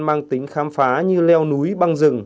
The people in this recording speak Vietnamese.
mang tính khám phá như leo núi băng rừng